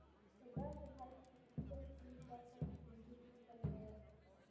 په داسې حال کې چې په شل کې دا کچه پنځه دېرش سلنه وه.